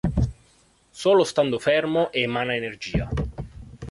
Solo stando fermo emana energia.